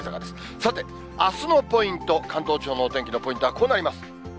さて、あすのポイント、関東地方のお天気のポイントはこうなります。